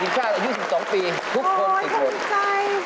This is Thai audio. ทีมชาติอายุ๑๒ปีทุกคนติดหมดโอ้โฮขอบคุณใจ